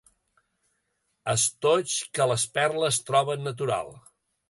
Estoig que les perles troben natural.